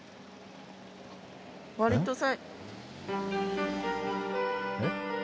わりとさ。